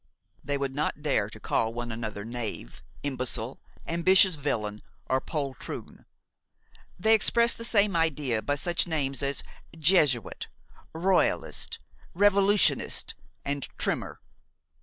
They would not dare to call one another knave, imbecile, ambitious villain or poltroon. They express the same idea by such names as jesuit, royalist, revolutionist and trimmer.